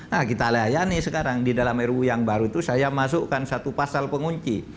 nah kita layani sekarang di dalam ruu yang baru itu saya masukkan satu pasal pengunci